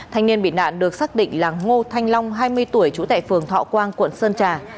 thanh niên bị nạn được xác định là ngô thanh long hai mươi tuổi trú tại phường thọ quang quận sơn trà